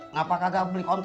ngapakah nggak beli kontak